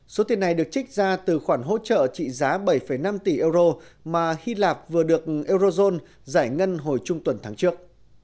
số tiền này được trích ra từ khoản hỗ trợ trị giá bảy năm tỷ euro mà hy lạp vừa được eurozone giải ngân hồi trung tuần tháng trước